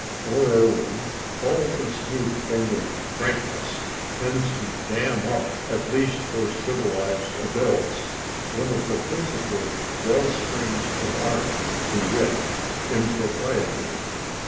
Moreover, all this new fangled "frankness" tends to dam up, at least for civilized adults, one of the principal well springs of art, to wit, impropriety.